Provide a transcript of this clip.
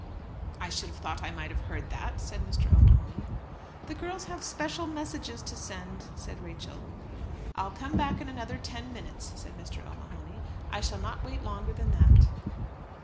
"I should have thought I might have heard that," said Mr. O'Mahony. "The girls have special messages to send," said Rachel. "I'll come back in another ten minutes," said Mr. O'Mahony. "I shall not wait longer than that."